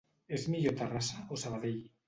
És millor Terrassa o Sabadell?